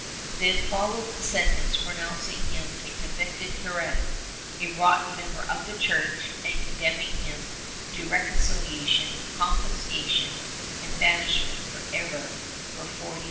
Then followed the sentence, pronouncing him a convicted heretic, a rotten member of the Church, and condemning him to reconciliation, confiscation, and banishment for ever for forty Chap XIII].